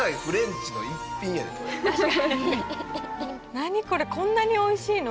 何これこんなにおいしいの？